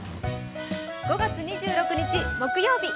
５月２６日木曜日。